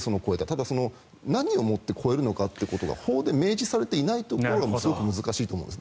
ただ、何をもって越えるのかということは法で明示されていないところがすごく難しいと思うんです。